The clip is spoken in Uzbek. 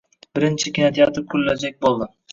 Birinchi kinoteatr qurilajak bo‘ldi.